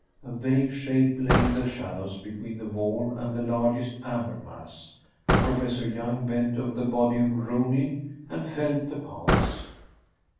A vague shape lay in the shadows between the wall and the largest amber mass. Professor Young bent over the body of Rooney, and felt the pulse.